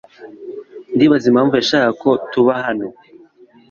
Ndibaza impamvu yashakaga ko tuba hano.